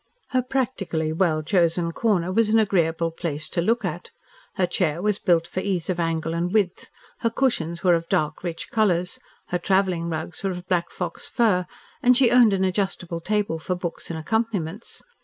Her practically well chosen corner was an agreeable place to look at. Her chair was built for ease of angle and width, her cushions were of dark rich colours, her travelling rugs were of black fox fur, and she owned an adjustable table for books and accompaniments.